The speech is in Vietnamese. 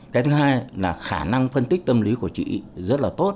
cái thứ hai là khả năng phân tích tâm lý của chị rất là tốt